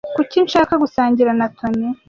Kuki nshaka gusangira na Toni ?